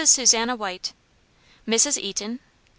Susanna White. Mrs. Eaton.